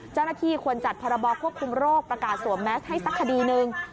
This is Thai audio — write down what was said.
เจ้าหน้าที่ควรจัดพรบควบคุมโรคประกาศสวมแมสให้สักคดีหนึ่ง